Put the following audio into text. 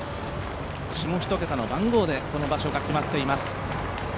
下一桁の番号でこの場所が決まっています。